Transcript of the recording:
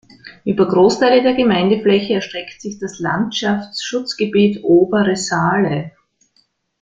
Über Großteile der Gemeindefläche erstreckt sich das Landschaftsschutzgebiet "Obere Saale".